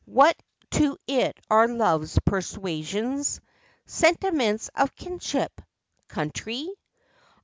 What to it are love's persuasions, Sentiments of kinship, country